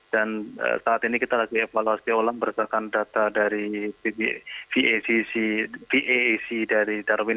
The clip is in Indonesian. dan saat ini kita lagi evaluasi olah berdasarkan data dari vac dari darwin